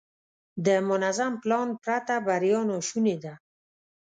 د منظم پلان پرته بریا ناشونې ده.